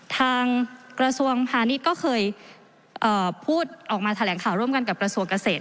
กระทรวงพาณิชย์ก็เคยพูดออกมาแถลงข่าวร่วมกันกับกระทรวงเกษตร